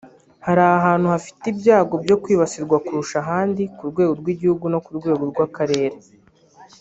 Hari ahantu hafite ibyago byo kwibasirwa kurusha ahandi ku rwego rw’Igihugu no ku rwego rw’Akarere